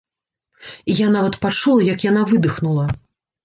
І я нават пачула, як яна выдыхнула.